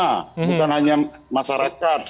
bukan hanya masyarakat